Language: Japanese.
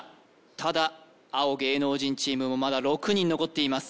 ただ青・芸能人チームもまだ６人残っています